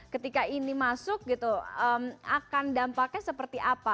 ketika ini masuk gitu akan dampaknya seperti apa